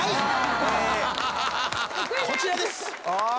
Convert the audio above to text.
こちらです。